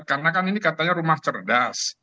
karena kan ini katanya rumah cerdas